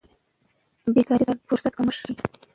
بیکاري د کار فرصت کمښت ښيي.